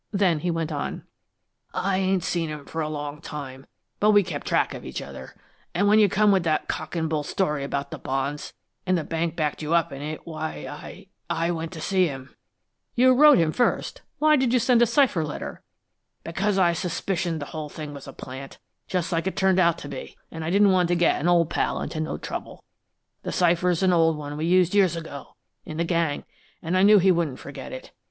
Then he went on: "I ain't seen him for a long time, but we kept track of each other, an' when you come with that cock an' bull story about the bonds, and the bank backed you up in it, why I I went to see him." "You wrote him first. Why did you send a cipher letter?" "Because I suspicioned the whole thing was a plant, just like it turned out to be, an' I didn't want to get an old pal into no trouble. The cipher's an old one we used years ago, in the gang, an' I know he wouldn't forget it.